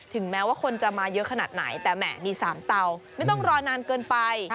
แม้ว่าคนจะมาเยอะขนาดไหนแต่แหมมี๓เตาไม่ต้องรอนานเกินไป